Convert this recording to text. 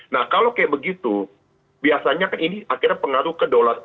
nah kalau kayak begitu biasanya kan ini akhirnya pengaruh ke dolar